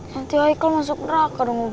nanti haikal masuk neraka dong ube